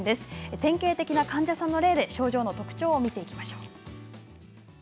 典型的な患者さんの例で症状の特徴を見ていきます。